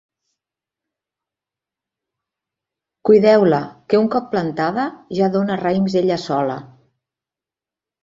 Cuideu-la, que un cop plantada ja dóna raïms ella sola